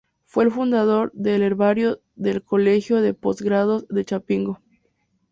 Fue el fundador del Herbario del Colegio de Postgraduados de Chapingo.